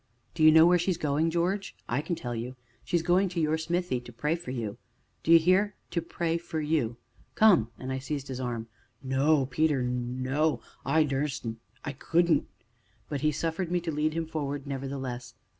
"Do you know where she is going, George? I can tell you she is going to your smithy to pray for you do you hear, to pray for you? Come!" and I seized his arm. "No, Peter, no I durstn't I couldn't." But he suffered me to lead him forward, nevertheless.